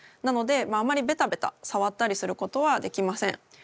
なのであまりベタベタさわったりすることはできません。